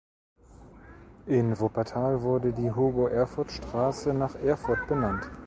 In Wuppertal wurde die Hugo-Erfurt-Straße nach Erfurt benannt.